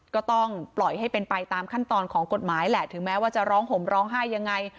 ก็ต้องปล่อยให้เป็นไปตามขั้นตอนของกฎหมายแหละถึงแม้ว่าจะร้องห่มร้องไห้ยังไง